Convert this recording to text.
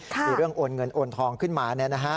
มีเรื่องโอนเงินโอนทองขึ้นมา